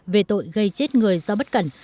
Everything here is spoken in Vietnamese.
về tội gây chết người do bất cẩn